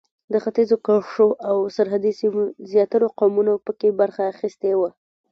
د ختیځو کرښو او سرحدي سیمو زیاترو قومونو په کې برخه اخیستې وه.